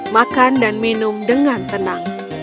makan dan minum dengan tenang